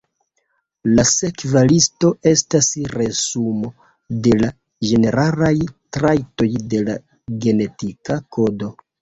La sekva listo estas resumo de la ĝeneralaj trajtoj de la genetika kodo.